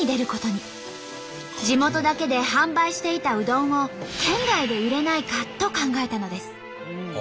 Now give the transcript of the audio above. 地元だけで販売していたうどんを県外で売れないかと考えたのです。